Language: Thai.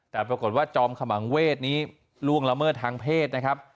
แต่ปรากฏว่าจอมขมังเวศนี้ล่วงละเมิดทางเพศนะครับ